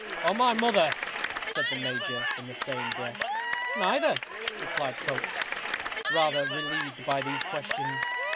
"Or my mother?" said the major, in the same breath. "Neither," replied Coates, rather relieved by these questions.